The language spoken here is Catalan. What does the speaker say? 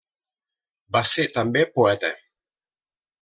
Va ser també poeta.